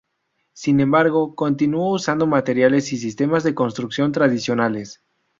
Sin embargo, continuó usando materiales y sistemas de construcción tradicionales.